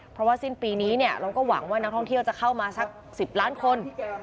เพราะว่าสิ้นปีนี้เราก็หวังว่านักท่องเที่ยวจะเข้ามาสัก๑๐ล้านคน